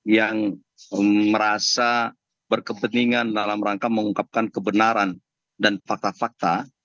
yang merasa berkepentingan dalam rangka mengungkapkan kebenaran dan fakta fakta